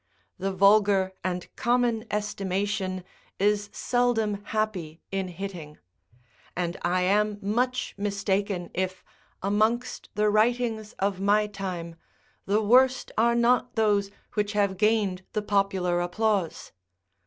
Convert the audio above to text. The vulgar and common estimation is seldom happy in hitting; and I am much mistaken if, amongst the writings of my time, the worst are not those which have most gained the popular applause.